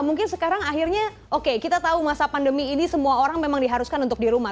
mungkin sekarang akhirnya oke kita tahu masa pandemi ini semua orang memang diharuskan untuk di rumah